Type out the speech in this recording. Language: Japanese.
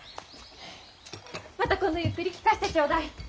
また今度ゆっくり聞かせてちょうだい。